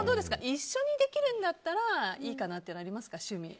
一緒にできるんだったらいいかなっていうのありますか？